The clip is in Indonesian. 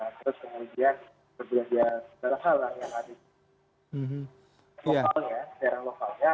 terus kemudian berbelanja secara halal yang ada di daerah lokalnya